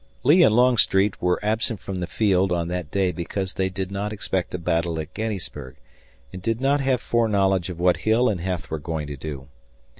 Lee and Longstreet were absent from the field on that day because they did not expect a battle at Gettysburg, and did not have foreknowledge of what Hill and Heth were going to do.